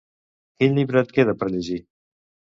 Quin llibre et queda per llegir?